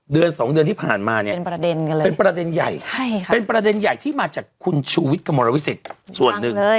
เดือน๒เดือนที่ผ่านมาเนี่ยเป็นประเด็นใหญ่เป็นประเด็นใหญ่ที่มาจากคุณชูวิทย์กระมวลวิสิตส่วนหนึ่ง